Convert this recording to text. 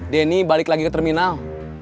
denny balik lagi ke terminal